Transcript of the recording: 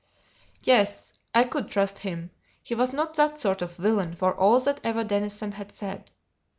Yes, I could trust him; he was not that sort of villain, for all that Eva Denison had said.